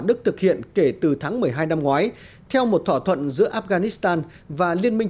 đức thực hiện kể từ tháng một mươi hai năm ngoái theo một thỏa thuận giữa afghanistan và liên minh